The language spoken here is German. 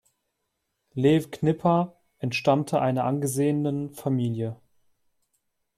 Lew Knipper entstammte einer angesehenen Familie.